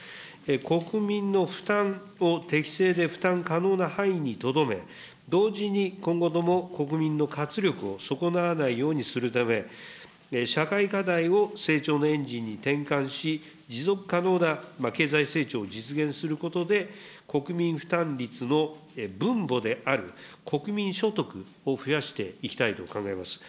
国民の負担を、適正で負担可能な範囲にとどめ、同時に今後とも国民の活力を損なわないようにするため、社会課題を成長のエンジンに転換し、持続可能な経済成長を実現することで、国民負担率の分母である、国民所得を増やしていきたいと考えます。